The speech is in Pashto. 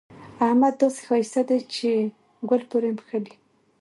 احمد داسې ښايسته دی چې ګل پورې مښلي.